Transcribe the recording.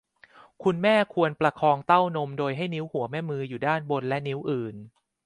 คุณแม่ควรประคองเต้านมโดยให้นิ้วหัวแม่มืออยู่ด้านบนและนิ้วอื่น